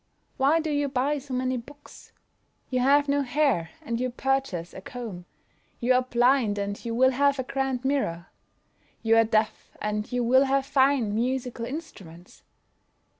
Why do you buy so many books? You have no hair, and you purchase a comb; you are blind, and you will have a grand mirror; you are deaf, and you will have fine musical instruments!